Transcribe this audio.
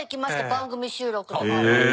番組収録とかで。